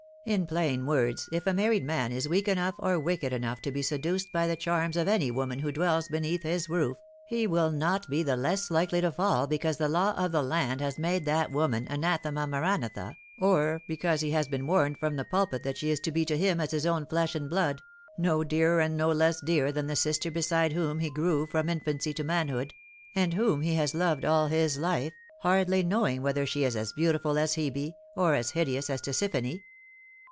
In plain words, if a married man is weak enough or wicked enough to be seduced by the charms of any woman who dwells beneath his roof, he will not be the less likely to fall because the law of the land has made that woman anathema maranatha, or because he has been warned from the pulpit that she is to be to him as his own flesh and blood, no dearer and no less dear than the sister beside whom he grew from infancy to man hood, and whom he has loved all his life, hardly knowing whether she is as beautiful as Hebe or as hideous as Tisiphone."